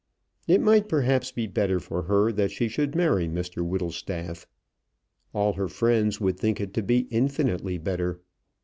It might perhaps be better for her that she should marry Mr Whittlestaff. All her friends would think it to be infinitely better.